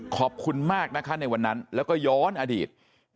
ขอบคุณมากนะคะในวันนั้นแล้วก็ย้อนอดีต